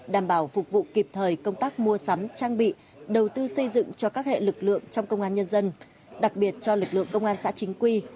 đảm bảo phục vụ kịp thời công tác mua sắm trang bị đầu tư xây dựng cho các hệ lực lượng trong công an nhân dân đặc biệt cho lực lượng công an xã chính quy